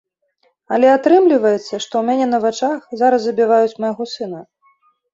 Але атрымліваецца, што ў мяне на вачах зараз забіваюць майго сына.